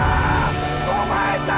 お前さん！